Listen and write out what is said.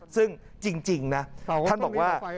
ซึ่งจริงนะท่านบอกว่า